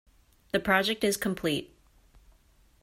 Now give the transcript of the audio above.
The project is complete.